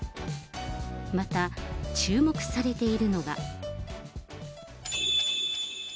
また、注目されているのが。